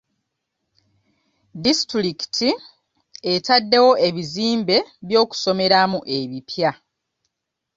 Disitulikiti etaddewo ebizimbe by'okusomeramu ebipya.